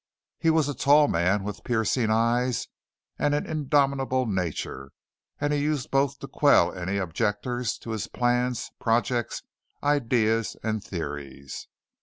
He was a tall man with piercing eyes and an indomitable nature and he used both to quell any objectors to his plans, projects, ideas, and theories.